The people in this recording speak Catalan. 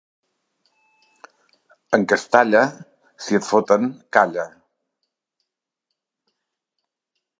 En Castalla, si et foten, calla.